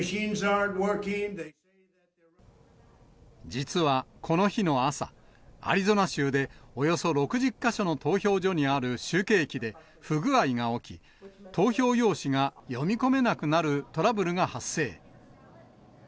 実はこの日の朝、アリゾナ州でおよそ６０か所の投票所にある集計機で不具合が起き、投票用紙が読み込めなくなるトラブルが発生。